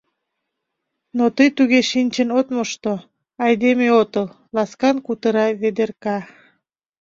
Но тый туге шинчын от мошто, айдеме отыл, — ласкан кутыра Ведерка.